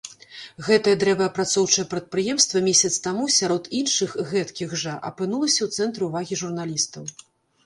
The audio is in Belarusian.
Гэтае дрэваапрацоўчае прадпрыемства месяц таму сярод іншых гэткіх жа апынулася ў цэнтры ўвагі журналістаў.